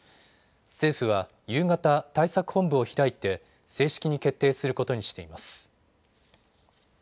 政府は夕方、対策本部を開いて正式に決定することにしています。